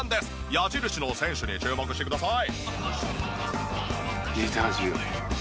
矢印の選手に注目してください。